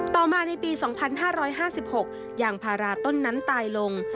ต่อมาในปี๒๕๕๖ยางพาราต้นนั้นตายลง